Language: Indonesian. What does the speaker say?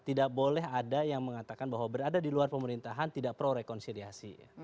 tidak boleh ada yang mengatakan bahwa berada di luar pemerintahan tidak pro rekonsiliasi